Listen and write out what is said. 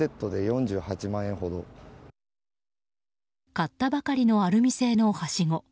買ったばかりのアルミ製のはしご。